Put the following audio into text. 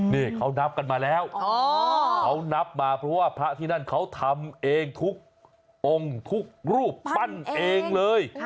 นี่เขานับกันมาแล้วเขานับมาเพราะว่าพระที่นั่นเขาทำเองทุกองค์ทุกรูปปั้นเองเลย